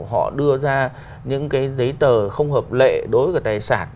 họ đưa ra những cái giấy tờ không hợp lệ đối với tài sản